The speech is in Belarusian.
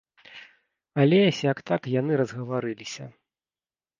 Але сяк-так яны разгаварыліся.